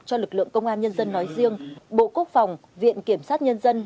cho lực lượng công an nhân dân nói riêng bộ quốc phòng viện kiểm sát nhân dân